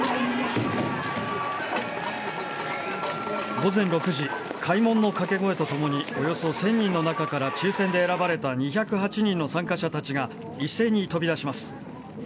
午前６時、開門のかけ声とともに、およそ１０００人の中から抽せんで選ばれた２０８人の参加者たちが一斉に飛び出します。